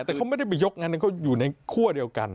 แต่เขาไม่ได้ไปยกงานนั้นเขาอยู่ในคั่วเดียวกัน